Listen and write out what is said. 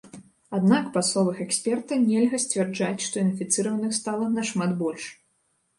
Аднак, па словах эксперта, нельга сцвярджаць, што інфіцыраваных стала нашмат больш.